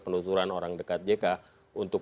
penuturan orang dekat jk untuk